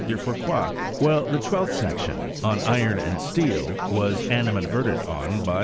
De Fourcroy; while the twelfth section, on iron and steel was animadverted on by M.